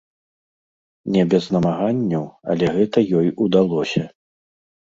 Не без намаганняў, але гэта ёй удалося.